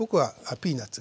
ピーナツ？